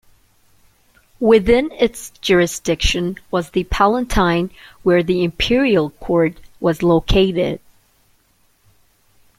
Within its jurisdiction was the Palatine where the imperial court was located.